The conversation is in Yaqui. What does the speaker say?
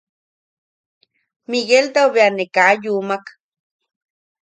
Migueltau bea ne kaa yumak.